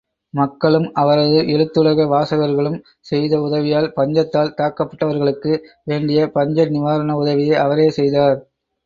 மக்களும் அவரது எழுத்துலக வாசகர்களும் செய்த உதவியால், பஞ்சத்தால் தாக்கப்பட்டவர்களுக்கு வேண்டிய பஞ்ச நிவாரண உதவியை அவரே செய்தார்.